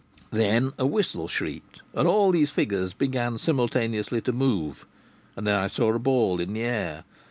Then a whistle shrieked, and all these figures began simultaneously to move, and then I saw a ball in the air.